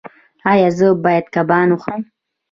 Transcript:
ایا زه باید کباب وخورم؟